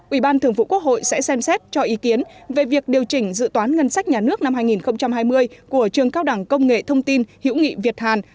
ủy ban thường vụ quốc hội sẽ xem xét cho ý kiến về việc điều chỉnh dự toán ngân sách nhà nước năm hai nghìn hai mươi của trường cao đẳng công nghệ thông tin hiểu nghị việt hàn